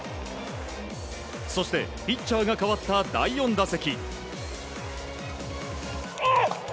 そして、ピッチャーが代わった第４打席。